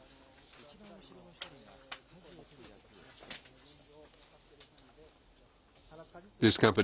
一番後ろの１人がかじを取る役を務めていました。